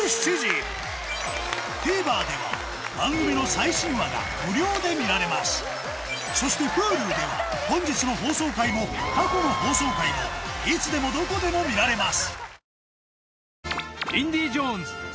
ＴＶｅｒでは番組の最新話が無料で見られますそしてＨｕｌｕでは本日の放送回も過去の放送回もいつでもどこでも見られます